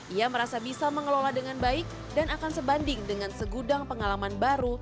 ia merasa bisa mengelola dengan baik dan akan sebanding dengan segudang pengalaman baru